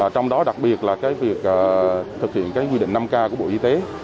trong đó đặc biệt là cái việc thực hiện cái quy định năm k của bộ y tế